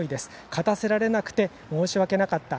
勝たせられなくて申し訳なかった。